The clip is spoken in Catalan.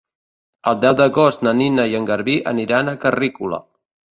El deu d'agost na Nina i en Garbí aniran a Carrícola.